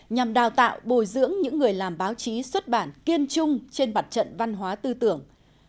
nhằm đào tạo bồi dưỡng những người làm báo chí xuất bản kiên trung trên bặt trận văn hóa tư tưởng